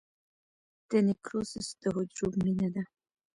د نیکروسس د حجرو مړینه ده.